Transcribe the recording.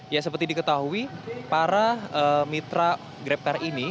ya seperti diketahui para mitra grabcare ini